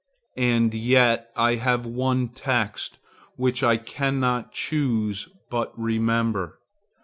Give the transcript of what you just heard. And yet I have one text which I cannot choose but remember.